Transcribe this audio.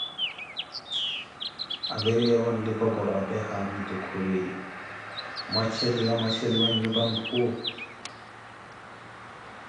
Aviriyeevo nlikokoro apee haamitu khuri mwacheliwa mwacheliwa nyupa mphu ?